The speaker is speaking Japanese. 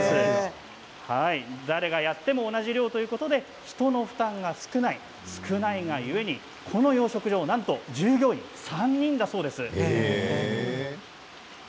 誰がやっても同じ量ということで人の負担が少ない故にこの養殖場、従業員は３人だそうです。